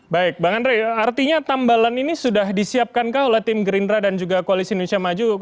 baik bang andre artinya tambalan ini sudah disiapkan kah oleh tim gerindra dan juga koalisi indonesia maju